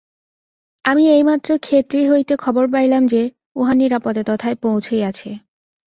আমি এইমাত্র খেতড়ি হইতে খবর পাইলাম যে, উহা নিরাপদে তথায় পৌঁছিয়াছে।